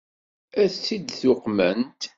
Ad tt-id-uqment?